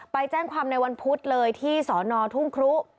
ไปแจ้งความในวันพุธเลยที่สอนอทุ่งครุ